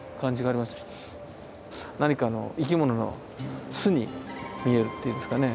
何かの生き物の巣に見えるっていうんですかね。